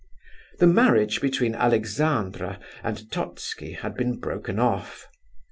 The marriage between Alexandra and Totski had been broken off.